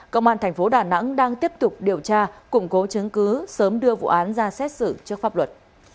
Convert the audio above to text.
công an thành phố đà nẵng đang tiếp tục điều tra củng cố chứng cứ sớm đưa vụ án ra xét xử trước pháp luật